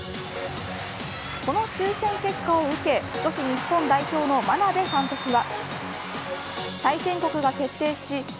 この抽選結果を受け女子日本代表の眞鍋監督は。